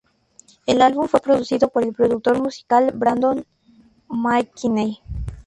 El álbum fue producido por el productor musical Brandon McKinney.